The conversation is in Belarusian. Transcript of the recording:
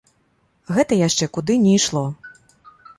Гэта яшчэ куды не ішло.